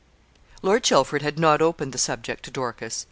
Lord Chelford had not opened the subject to Dorcas.